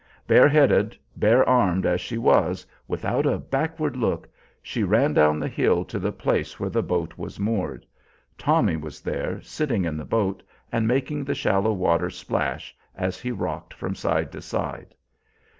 Bare headed, bare armed as she was, without a backward look, she ran down the hill to the place where the boat was moored. Tommy was there, sitting in the boat and making the shallow water splash as he rocked from side to side.